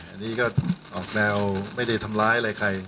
อันนี้ก็ออกแนวไม่ได้ทำร้ายอะไรใคร